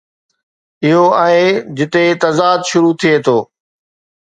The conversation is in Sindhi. اهو آهي جتي تضاد شروع ٿئي ٿو.